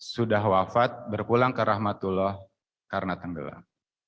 sudah wafat berpulang ke rahmatullah karena tenggelam